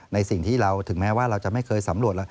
ในสิ่งที่เราถึงแม้ว่าเราจะไม่เคยสำรวจ